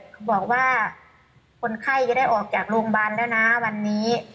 เขาบอกว่าคนไข้จะได้ออกจากโรงพยาบาลแล้วนะวันนี้